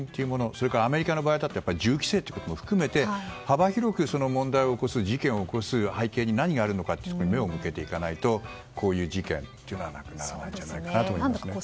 それからアメリカの場合銃規制も含めて幅広く問題を起こす事件を起こす背景に何があるのかに目を向けていかないとこういう事件はなくならないんじゃないかなと思いますね。